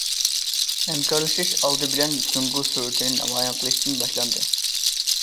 ھەمكارلىشىش ئالدى بىلەن جۇڭگو سۈرئىتىنى نامايان قىلىشتىن باشلاندى.